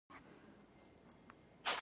درېیمې نجلۍ عکس اخیست.